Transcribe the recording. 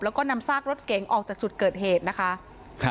แล้วก็นำซากรถเก๋งออกจากจุดเกิดเหตุนะคะ